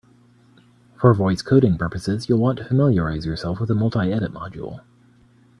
For voice coding purposes, you'll want to familiarize yourself with the multiedit module.